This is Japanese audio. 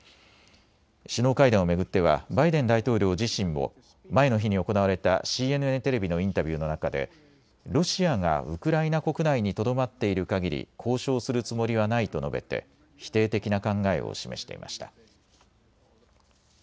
首脳会談を巡ってはバイデン大統領自身も前の日に行われたＣＮＮテレビのインタビューの中でロシアがウクライナ国内にとどまっているかぎり交渉するつもりはないと述べて否定的な考えを示していました。